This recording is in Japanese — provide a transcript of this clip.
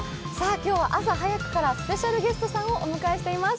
今日は朝早くからスペシャルゲストさんをお迎えしています。